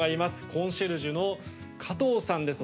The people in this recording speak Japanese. コンシェルジュの加藤さんです。